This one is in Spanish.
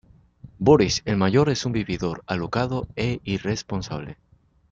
Boris, el mayor, es un vividor, alocado e irresponsable.